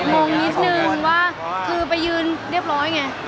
งงนิดนึงว่าคือไปยืนเรียบร้อยไง